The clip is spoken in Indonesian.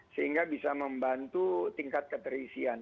sehingga bisa membantu tingkat keterisian